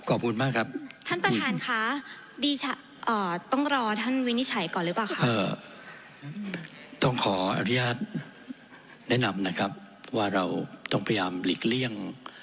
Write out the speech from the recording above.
ขอบคุณมากครับท่านประธานค่ะต้องรอท่านวินิจฉัยก่อนหรือเปล่าคะต้องขออนุญาตแนะนำนะครับว่าเราต้องพยายามหลีกเลี่ยง